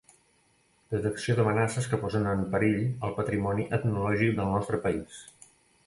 Detecció d'amenaces que posen en perill el patrimoni etnològic del nostre país.